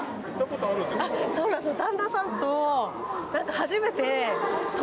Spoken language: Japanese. そうなんですよ